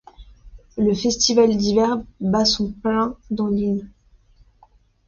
Le festival d'hiver bat son plein dans l'île.